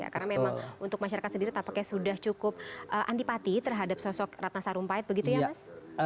karena memang untuk masyarakat sendiri apakah sudah cukup antipati terhadap sosok ratna sarumpait begitu ya mas